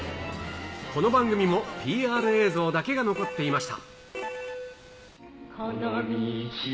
この番組もＰＲ映像だけが残っていました。